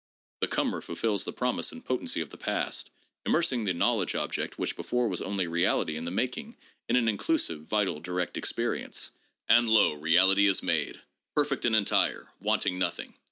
The ' comer ' fulfils the promise and potency of the past, immers ing the knowledge object, which before was only reality in the mak ing, " in an inclusive, vital, direct experience," and lo ! reality is made, perfect and entire, wanting nothing.